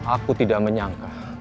aku tidak menyangka